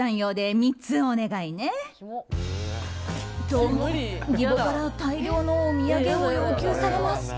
と、義母から大量のお土産を要求されます。